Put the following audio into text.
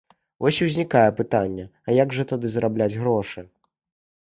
Вось і ўзнікае пытанне, а як жа тады зарабляць грошы?